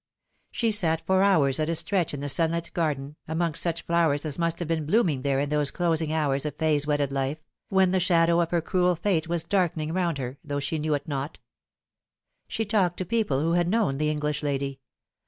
She sat for hours at a stretch in the sunlit garden, amongst such flowers as must have been blooming there in those closing hours of Fay's wedded life, when the shadow of her cruel fate was darkening round her, though she knew it not. She talked id people who had known the English lady.